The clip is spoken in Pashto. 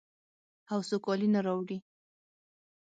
او سوکالي نه راوړي.